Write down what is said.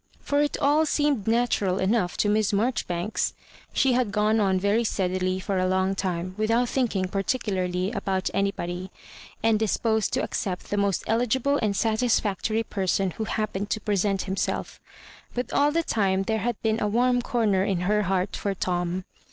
For it all seemed natural enough to Miss Marjori banks. She had gone on very steadily for a long time, without thinking particularly about anybody, and disposed to accept the most eligible and satisfactory person who happened to present liimself ; but all the time there had been a warm comer in her heart for Tom.